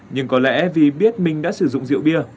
nhưng có lẽ vì biết mình đã sử dụng rượu bia